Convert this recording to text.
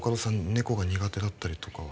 猫が苦手だったりとかは？